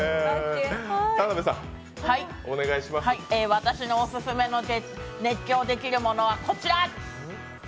私のオススメの熱狂できるものはこちら。